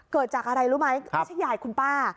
เกิดจากอะไรรู้ไหมไม่ใช่ยายคุณป้า